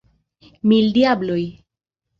Mil diabloj!